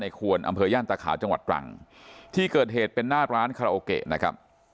ควรอำเภอย่านตาขาวจังหวัดตรังที่เกิดเหตุเป็นหน้าร้านคาราโอเกะนะครับ